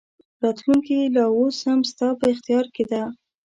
راتلونکې لا اوس هم ستا په اختیار کې ده.